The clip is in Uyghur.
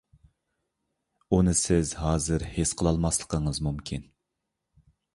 ئۇنى سىز ھازىر ھېس قىلالماسلىقىڭىز مۇمكىن.